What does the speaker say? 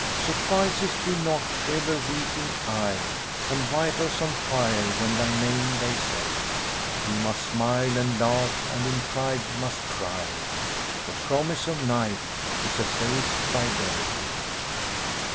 Suffices thee not ever weeping eye, * And vitals on fire when thy name they say? He must smile and laugh and in pride must cry * The promise of Night is effaced by Day.'"